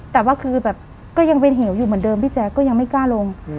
แต่ว่าคือแบบก็ยังเป็นเหวอยู่เหมือนเดิมพี่แจ๊คก็ยังไม่กล้าลง